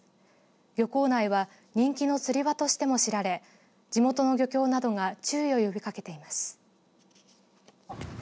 漁港内は人気の釣り場としても知られ地元の漁協などが注意を呼びかけています。